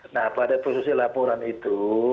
nah pada posisi laporan itu